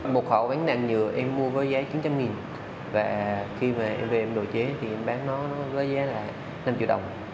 một khẩu bán đạn nhựa em mua với giá chín trăm linh và khi mà em về em đồ chế thì em bán nó với giá là năm triệu đồng